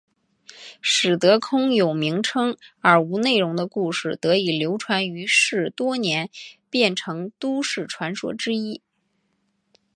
使得空有名称而无内容的故事得以流传于世多年变成都市传说之一。